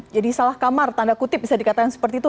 jadi salah kamar tanda kutip bisa dikatakan seperti itu